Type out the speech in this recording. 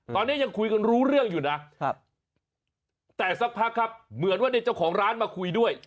ตอนนี้ยังคุยกันรู้เรื่องอยู่นะแต่สักพักครับเหมือนว่าในเจ้าของร้านมาคุยด้วย